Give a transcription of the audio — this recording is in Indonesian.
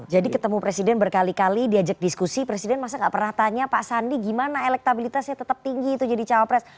jadi ketemu presiden berkali kali diajak diskusi presiden masa gak pernah tanya pak sandi gimana elektabilitasnya tetap tinggi itu jadi cawapres